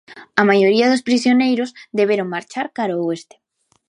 A maioría dos prisioneiros deberon marchar cara ao oeste.